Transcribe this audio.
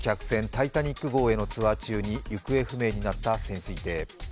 「タイタニック号」へのツアー中に行方不明になった潜水艇。